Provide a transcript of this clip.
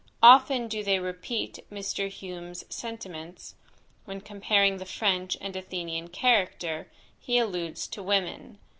Often do they repeat Mr. Hume's sentiments; when comparing the French and Athenian character, he alludes to women.